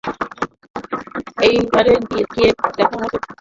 ঐপারে গিয়ে দেখা হবে।